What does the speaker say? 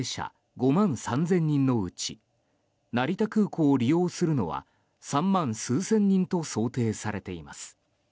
５万３０００人のうち成田空港を利用するのは三万数千人と想定されています。